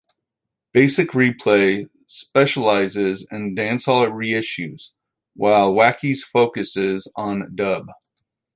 Basic Replay specialises in dancehall reissues, while Wackies focuses on dub.